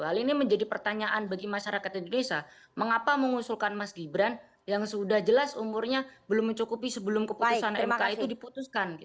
hal ini menjadi pertanyaan bagi masyarakat indonesia mengapa mengusulkan mas gibran yang sudah jelas umurnya belum mencukupi sebelum keputusan mk itu diputuskan